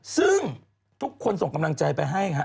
ซึ่งทุกคนส่งกำลังใจไปให้ฮะ